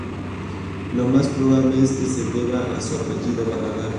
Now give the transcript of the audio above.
Lo más probable es que se deba a su apellido, Barragán.